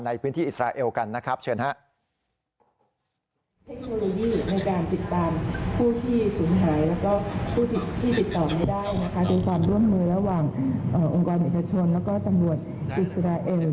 ในพื้นที่อิสราเอลกันนะครับเชิญฮะ